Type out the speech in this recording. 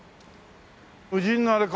無人のあれか？